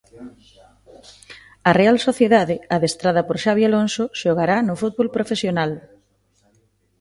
A Real Sociedade, adestrada por Xabi Alonso, xogará no fútbol profesional.